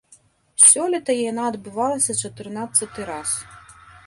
Сёлета яна адбывалася чатырнаццаты раз.